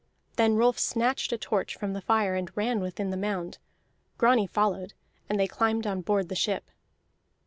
Then Rolf snatched a torch from the fire and ran within the mound; Grani followed, and they climbed on board the ship.